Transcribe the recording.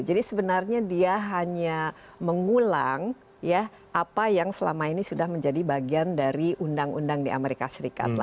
jadi sebenarnya dia hanya mengulang apa yang selama ini sudah menjadi bagian dari undang undang di amerika serikat